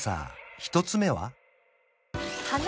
１つ目は？